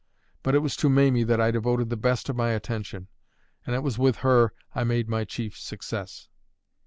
But it was to Mamie that I devoted the best of my attention; and it was with her I made my chief success.